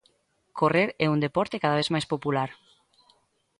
Correr é un deporte cada vez máis popular.